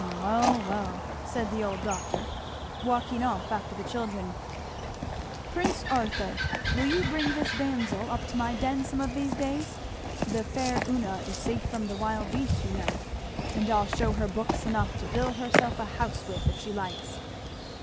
"Hum well, well!" said the old doctor, walking off after the children. "Prince Arthur, will you bring this damsel up to my den some of these days? the 'faire Una' is safe from the wild beasts, you know; and I'll shew her books enough to build herself a house with, if she likes."